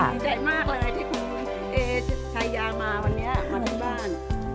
ดีใจมากเลยที่คุณเอชายามาวันนี้มาที่บ้าน